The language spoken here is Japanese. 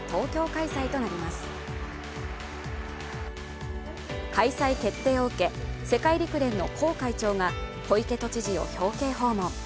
開催決定を受け、世界陸連のコー会長が小池都知事を表敬訪問。